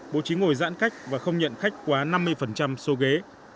bố trí ngồi giãn cách và không nhận khách quá năm mươi số ghế